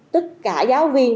tất cả giáo viên